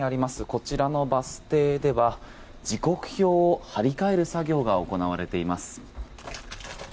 こちらのバス停では時刻表を張り替える作業が行われています。